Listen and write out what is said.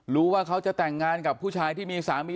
รู้ว่าเขาจะแต่งงานกับผู้ชายที่มีสามี